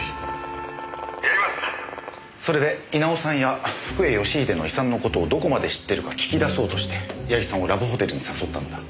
それで稲尾さんや福栄義英の遺産の事をどこまで知ってるか聞き出そうとして矢木さんをラブホテルに誘ったんだ。